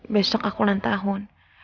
besok aku ulang tahun